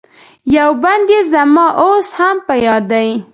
یو بند یې زما اوس هم په یاد دی.